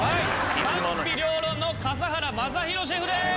賛否両論の笠原将弘シェフです！